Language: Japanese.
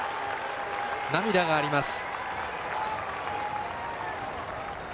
涙があります。